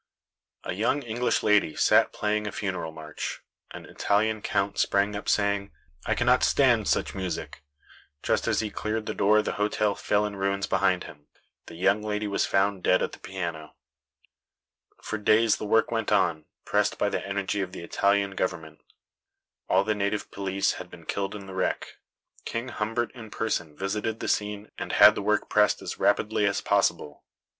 A young English lady sat playing a funeral march. An Italian count sprang up, saying, "I cannot stand such music!" Just as he cleared the door the hotel fell in ruins behind him. The young lady was found dead at the piano. For days the work went on, pressed by the energy of the Italian government. All the native police had been killed in the wreck. King Humbert in person visited the scene and had the work pressed as rapidly as possible.